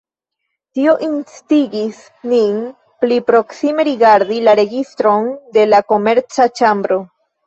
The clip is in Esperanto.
Tio instigis nin pli proksime rigardi la registron de la Komerca ĉambro.